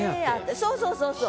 そうそうそうそう。